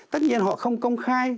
tất nhiên họ không công khai